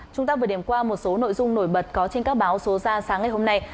chúng ta vừa điểm qua một số nội dung nổi bật có trên các báo số ra sáng ngày hôm nay